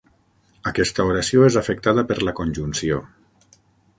Aquesta oració és afectada per la conjunció.